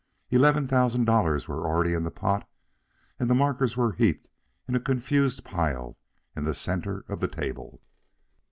Eleven thousand dollars were already in the pot, and the markers were heaped in a confused pile in the centre of the table.